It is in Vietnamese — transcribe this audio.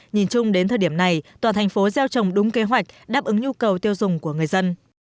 nhìn chung đến thời điểm này toàn thành phố gieo trồng đúng kế hoạch đáp ứng nhu cầu tiêu dùng của người dân